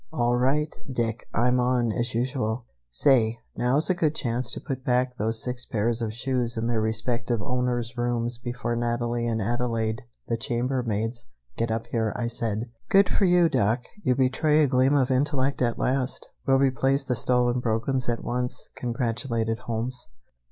"All right, Dick, I'm on, as usual. Say, now's a good chance to put back those six pairs of shoes in their respective owners' rooms before Natalie and Adelaide, the chambermaids, get up here," I said. "Good for you, Doc! You betray a gleam of intellect at last. We'll replace the stolen brogans at once," congratulated Holmes.